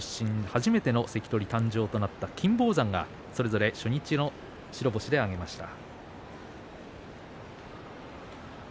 初めての関取誕生となった金峰山がそれぞれ初日の白星を挙げました。